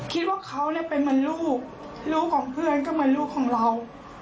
คิดว่าเขาเนี่ยเป็นเหมือนลูกลูกของเพื่อนก็เหมือนลูกของเรา